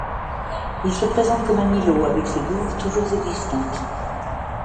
Il se présente comme un îlot avec ses douves toujours existantes.